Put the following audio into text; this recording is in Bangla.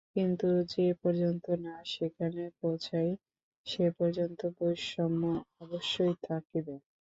কিন্তু যে পর্যন্ত না সেখানে পৌঁছাই, সে পর্যন্ত বৈষম্য অবশ্যই থাকিবে।